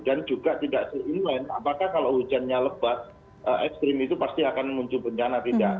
dan juga tidak se inline apakah kalau hujannya lebat ekstrim itu pasti akan muncul bencana tidak